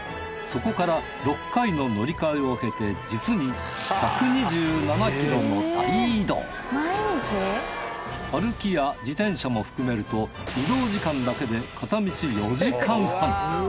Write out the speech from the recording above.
そこから６回の乗り換えを経て実に歩きや自転車も含めると移動時間だけで片道４時間半。